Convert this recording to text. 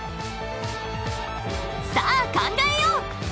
［さあ考えよう］